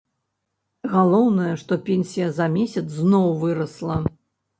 Галоўнае, што пенсія за месяц зноў вырасла.